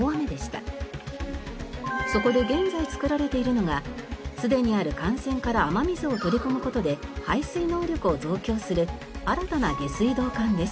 そこで現在造られているのが既にある幹線から雨水を取り込む事で排水能力を増強する新たな下水道管です。